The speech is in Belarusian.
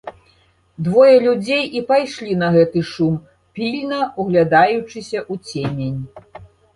Двое людзей і пайшлі на гэты шум, пільна ўглядаючыся ў цемень.